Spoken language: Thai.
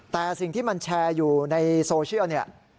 แต่สิ่งที่มันแชร์อยู่ในโซเชียลเนี่ย